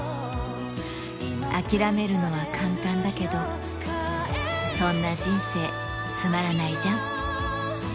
諦めるのは簡単だけど、そんな人生、つまらないじゃん。